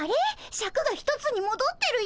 シャクが一つにもどってるよ。